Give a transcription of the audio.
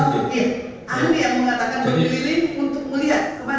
oh iya ahli yang mengatakan berkeliling untuk melihat kemana